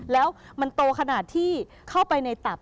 แล้วมันโตขนาดที่เข้าไปในตับ